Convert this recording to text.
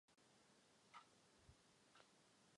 Vzestup průmyslu v okolí byl pro chudou obec požehnáním.